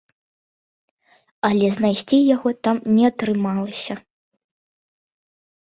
Але знайсці яго там не атрымалася.